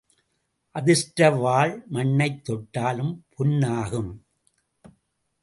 அதிர்ஷ்டவாள் மண்ணைத் தொட்டாலும் பொன் ஆகும்.